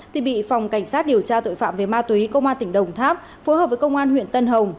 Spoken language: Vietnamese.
thì bị phòng cảnh sát điều tra tội phạm về ma túy công an tỉnh đồng tháp phối hợp với công an huyện tân hồng